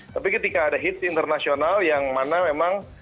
tapi ketika ada hits internasional yang mana memang